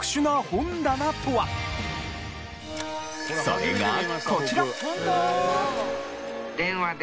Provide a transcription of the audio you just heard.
それがこちら。